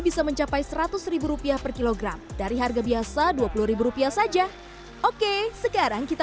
bisa mencapai seratus rupiah per kilogram dari harga biasa dua puluh rupiah saja oke sekarang kita